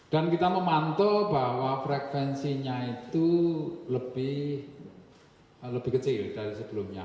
dan kita memantau bahwa frekvensinya itu lebih kecil dari sebelumnya